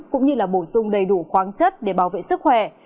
cũng như là bổ sung đầy đủ khoáng chất để bảo vệ sức khỏe